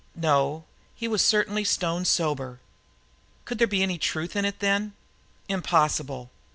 No, he was certainly stone sober. Could there be any truth in it then? Impossible.